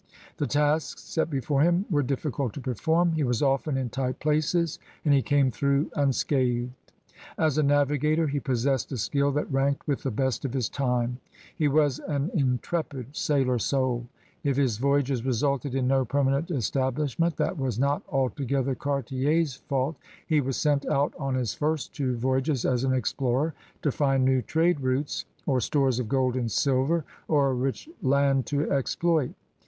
The tasks set before him were difficult to perform; he was often in tight places and he came through unscathed. As a navigator he possessed a skill that ranked with the best of his time. His was an intrepid sailor soul. If his voyages resulted in no permanent establishment, that was not altogether V 80 CRUSADEBS OF NEW FRANCE Cartier's fault. He was sent out on his first two voyages as an explorer, to find new trade routes, or stores of gold and silver or a rich land to exploit.